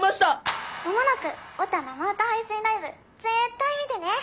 「まもなくオタ生歌配信ライブ」「絶対見てね！」